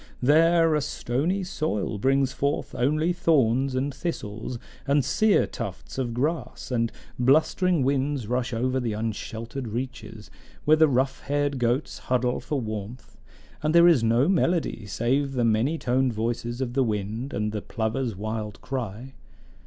There a stony soil brings forth only thorns, and thistles, and sere tufts of grass; and blustering winds rush over the unsheltered reaches, where the rough haired goats huddle for warmth; and there is no melody save the many toned voices of the wind and the plover's wild cry.